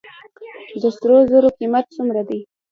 د سرو زرو قیمت څومره دی؟